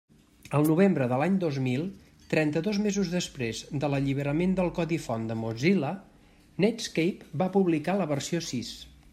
El novembre de l'any dos mil, trenta-dos mesos després de l'alliberament del codi font de Mozilla, Netscape va publicar la versió sis.